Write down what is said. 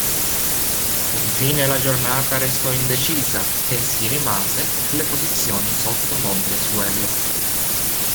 Infine la giornata restò indecisa, e si rimase nelle posizioni sotto monte Suello.